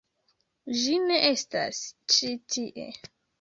Ĝi ne estas ĉi tie